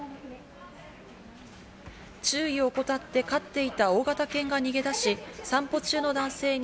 注意を怠って飼っていた大型犬が逃げ出し、散歩中の男性に。